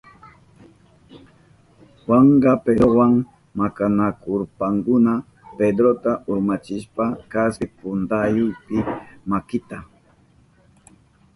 Juanka Pedrowa makanakushpankuna Pedrota urmachishpan kaspi puntayupi makinta chukrichirka.